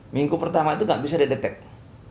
minggu pertama itu nggak bisa dideteksi